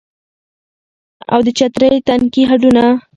او د چترۍ تنکي هډونه